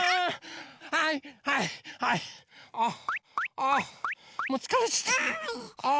ああ。